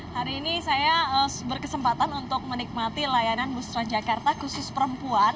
hari ini saya berkesempatan untuk menikmati layanan bus transjakarta khusus perempuan